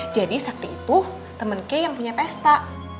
jadi sakti itu temen kay yang punya pesta